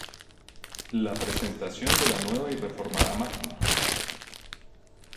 La presentación de la nueva y reformada Máquina!